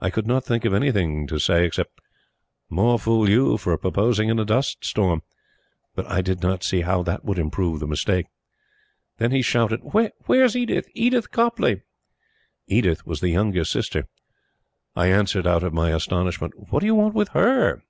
I could not think of anything to say except: "More fool you for proposing in a dust storm." But I did not see how that would improve the mistake. Then he shouted: "Where's Edith Edith Copleigh?" Edith was the youngest sister. I answered out of my astonishment: "What do you want with HER?"